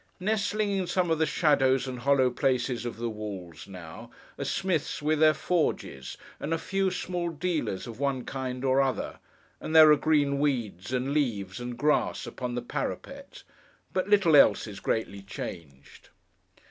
Nestling in some of the shadows and hollow places of the walls, now, are smiths with their forges, and a few small dealers of one kind or other; and there are green weeds, and leaves, and grass, upon the parapet. But little else is greatly changed.